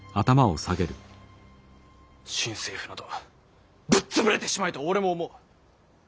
新政府などぶっ潰れてしまえと俺も思う。